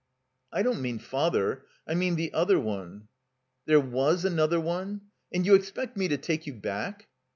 "I don't mean Father. I mean the other one." * 'There was another one? And you expect me to take you back?"